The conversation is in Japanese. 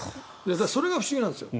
それが不思議なんですよ。